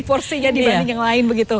porsinya dibanding yang lain begitu